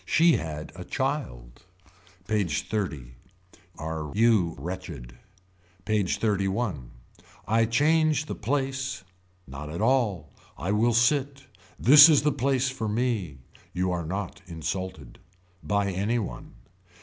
She had a child. PAGE XXX. Are you wretched. PAGE XXXI. I change the place. Not at all. I will sit. This is the place for me. You are not insulted. By any one.